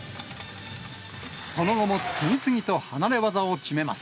その後も次々と離れ技を決めます。